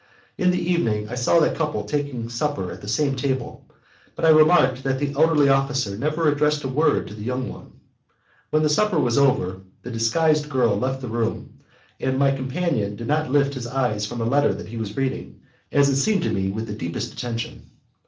In the evening I saw the couple taking supper at the same table, but I remarked that the elderly officer never addressed a word to the young one. When the supper was over, the disguised girl left the room, and her companion did not lift his eyes from a letter which he was reading, as it seemed to me, with the deepest attention.